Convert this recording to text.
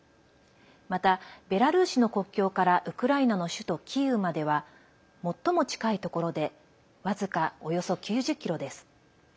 また、ベラルーシの国境からウクライナの首都キーウまでは最も近いところで僅かおよそ９０ｋｍです。